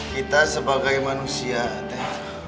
kita sebagai manusia teh